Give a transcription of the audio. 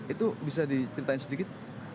itu bisa diceritain sedikit